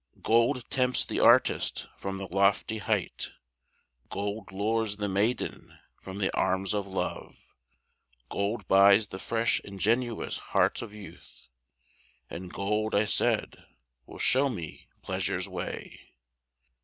Gold tempts the artist from the lofty height, Gold lures the maiden from the arms of Love, Gold buys the fresh ingenuous heart of youth, "And gold," I said, "will show me Pleasure's way."